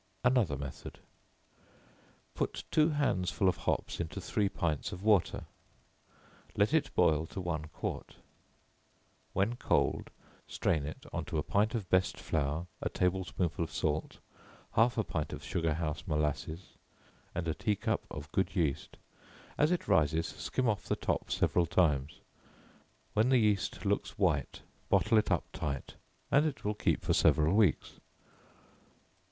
Another Method. Put two handsful of hops into three pints of water; let it boil to one quart; when cold, strain it on to a pint of best flour, a table spoonful of salt, half a pint of sugar house molasses, and a tea cup of good yeast: as it rises, skim off the top several times, when the yeast looks white bottle it up tight and it will keep for several weeks.